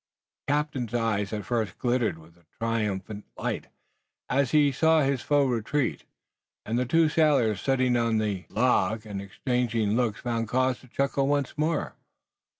The captain's eye at first glittered with a triumphant light as he saw his foe retreat, and the two sailors sitting on the log and exchanging looks found cause to chuckle once more.